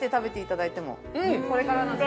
これからの時期。